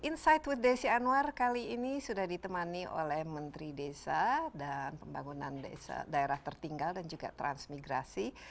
insight with desi anwar kali ini sudah ditemani oleh menteri desa dan pembangunan daerah tertinggal dan juga transmigrasi